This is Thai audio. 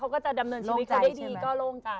เขาก็จะดำเนินชีวิตจะได้ดีก็โล่งใจ